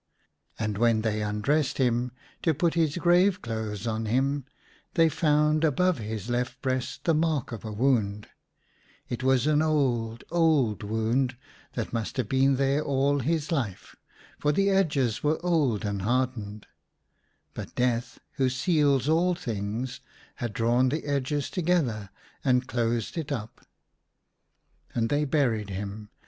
And when they undressed him to put his grave clothes on him, they found above his left breast the mark of a wound — it was an old, old wound, that must have been there all his life, for the edges were old and hardened ; but Death, who seals all things, had drawn the edges together, and closed it un. THE ARTIST'S SECRET. 121 And they buried him.